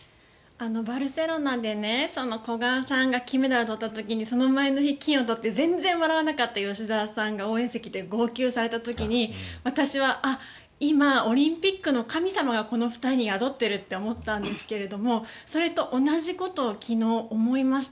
バルセロナで古賀さんが金メダルを取った時にその前の日、金を取って全然笑わなかった吉田さんが応援席で号泣された時に私は今、オリンピックの神様がこの２人に宿ってるって思ったんですけどそれと同じことを昨日思いました。